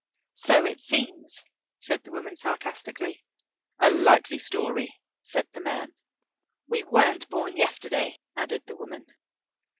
"So it seems," said the woman sarcastically. "A likely story," said the man. "We weren't born yesterday," added the woman.